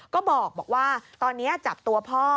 ก็บอกว่าตอนนี้จับตัวพ่อ